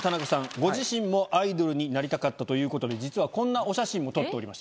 ご自身もアイドルになりたかったということで、実は、こんなお写真も撮っております。